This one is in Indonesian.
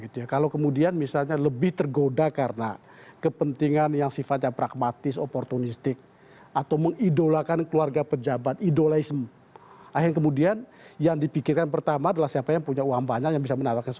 jadi saya rasa ini adalah hal yang harus kita lakukan